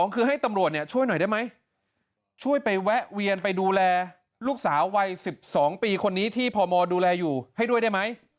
คือให้ตำรวจช่วยหน่อยได้ไหมช่วยไปแวะเวียนไปดูแลลูกสาววัย๑๒ปีคนนี้ที่พมดูแลอยู่ให้ด้วยได้ไหม